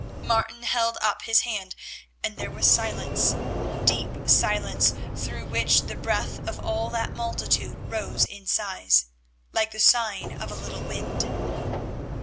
Martin held up his hand, and there was silence, deep silence, through which the breath of all that multitude rose in sighs, like the sighing of a little wind.